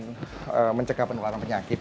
ya sebenarnya standards peak bebua apa ya ya